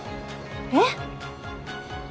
えっ⁉